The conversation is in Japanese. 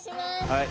はい。